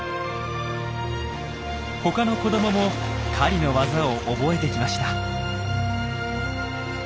他の子どもも狩りの技を覚えてきました。